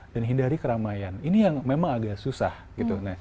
dan hindari keramaian ini yang memang agak susah gitu